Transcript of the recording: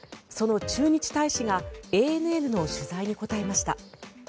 その駐日大使がＡＮＮの取材に答えました。